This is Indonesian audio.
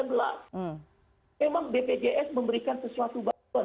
memang bpjs memberikan sesuatu bantuan